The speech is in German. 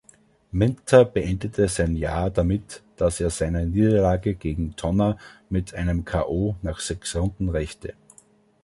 Minter beendete sein Jahr damit, dass er seine Niederlage gegen Tonna mit einem K.O. nach sechs Runden rächte.